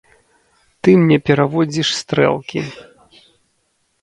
Ты мне пераводзіш стрэлкі.